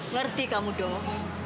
ngerti kamu dong